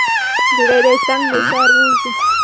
دا عزت د هر افــــغـــــــان دی،